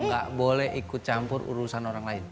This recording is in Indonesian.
gak boleh ikut campur urusan orang lain